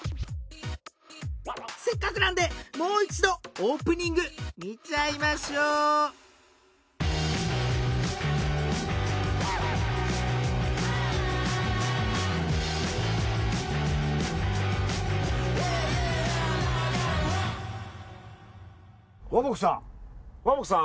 せっかくなのでもう１度オープニング見ちゃいましょうＷａｂｏｋｕさん！